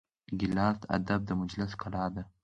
ګیلاس د ادب د مجلس ښکلا ده.